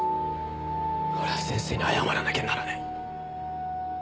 俺は先生に謝らなきゃならない。